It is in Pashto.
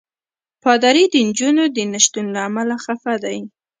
پادري د نجونو د نه شتون له امله خفه دی.